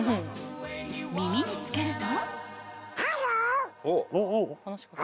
［耳に着けると］